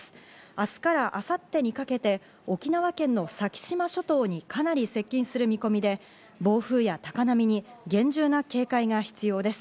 明日から明後日にかけて沖縄県の先島諸島にかなり接近する見込みで、暴風や高波に厳重な警戒が必要です。